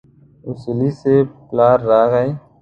اصولي صیب پلار راغی.